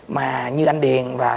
mà như anh điền và